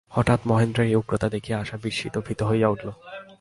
হঠাৎ মহেন্দ্রের এই উগ্রতা দেখিয়া আশা বিস্মিত ভীত হইয়া উঠিল।